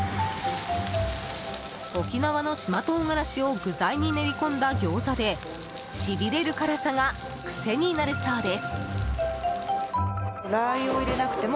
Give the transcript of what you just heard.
沖縄の島唐辛子を具材に練り込んだギョーザでしびれる辛さがクセになるそうです。